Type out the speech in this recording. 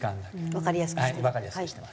わかりやすくしてます。